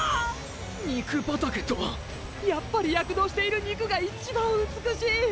「にくばたけ」とは⁉やっぱり躍動している筋肉が一番美しい！！